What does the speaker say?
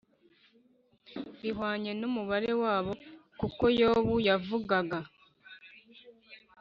bihwanye n’umubare wabo, kuko Yobu yavugaga